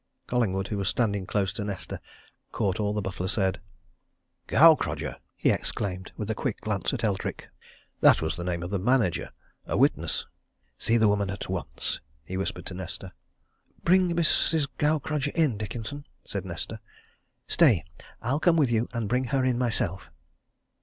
Collingwood, who was standing close to Nesta, caught all the butler said. "Gaukrodger!" he exclaimed, with a quick glance at Eldrick. "That was the name of the manager a witness. See the woman at once," he whispered to Nesta. "Bring Mrs. Gaukrodger in, Dickenson," said Nesta. "Stay I'll come with you, and bring her in myself."